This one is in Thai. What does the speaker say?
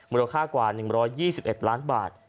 ราคากว่า๑๒๑ล้านบาท